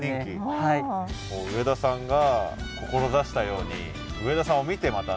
上田さんが志したように上田さんを見てまたね